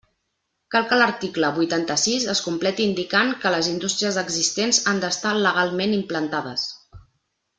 Cal que l'article vuitanta-sis es completi indicant que les indústries existents han d'estar legalment implantades.